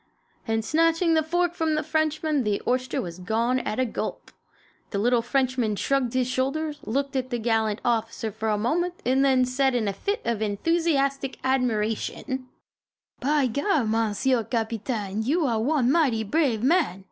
and snatching the fork from the Frenchman the oyster was gone at a gulp. The little Frenchman shrugged his shoulders, looked at the gallant officer a moment and then said in a fit of enthusiastic admiration: "By gar, Monsieur Capitaine, you are one mighty brave man!